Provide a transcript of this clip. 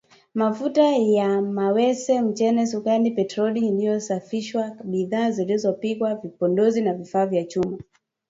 Mafuta ya mawese, mchele, sukari, petroli iliyosafishwa, bidhaa zilizopikwa, vipodozi na vifaa vya chuma.